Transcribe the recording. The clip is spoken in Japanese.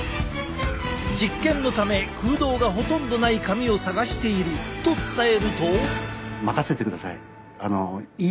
実験のため空洞がほとんどない髪を探していると伝えると。